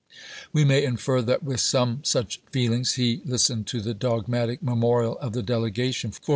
We may infer that with some such feelings he list ened to the dogmatic memorial of the delegation, 158 ABRAHAM LINCOLN Chap.